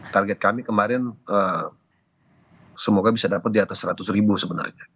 target kami kemarin semoga bisa dapat di atas seratus ribu sebenarnya